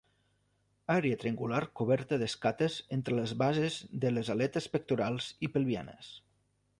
Àrea triangular coberta d'escates entre les bases de les aletes pectorals i pelvianes.